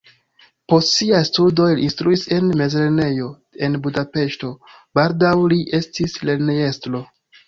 Post siaj studoj li instruis en mezlernejo en Budapeŝto, baldaŭ li estis lernejestro.